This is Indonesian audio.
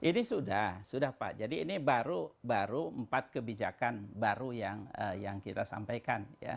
ini sudah sudah pak jadi ini baru empat kebijakan baru yang kita sampaikan